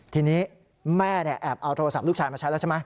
ทีนี้แม่แอบเอาโทรศัพท์ลูกชายมาใช้แล้วใช่ไหม